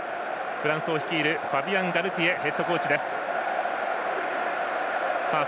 フランスを率いるファビアン・ガルティエヘッドコーチ。